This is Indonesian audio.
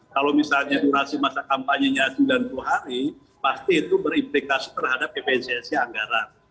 kalau misalnya durasi masa kampanyenya sembilan puluh hari pasti itu berimplikasi terhadap efesiensi anggaran